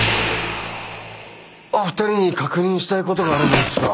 お二人に確認したいことがあるんですが。